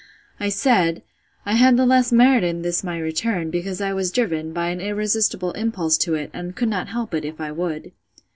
I said, I had the less merit in this my return, because I was driven, by an irresistible impulse to it; and could not help it, if I would.